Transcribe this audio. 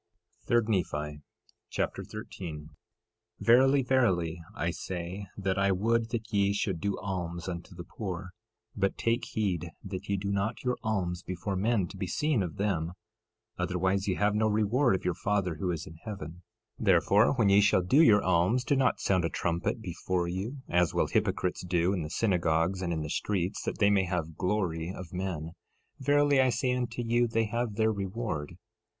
3 Nephi Chapter 13 13:1 Verily, verily, I say that I would that ye should do alms unto the poor; but take heed that ye do not your alms before men to be seen of them; otherwise ye have no reward of your Father who is in heaven. 13:2 Therefore, when ye shall do your alms do not sound a trumpet before you, as will hypocrites do in the synagogues and in the streets, that they may have glory of men. Verily I say unto you, they have their reward.